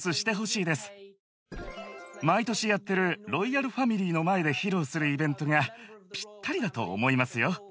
毎年やってるロイヤルファミリーの前で披露するイベントがぴったりだと思いますよ。